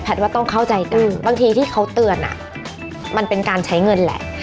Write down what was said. ว่าต้องเข้าใจกันบางทีที่เขาเตือนมันเป็นการใช้เงินแหละ